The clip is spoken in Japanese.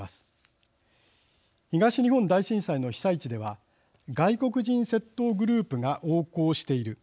東日本大震災の被災地では「外国人窃盗グループが横行している」